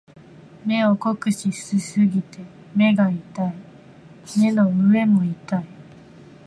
目を酷使しすぎて目が痛い。目の上も痛い。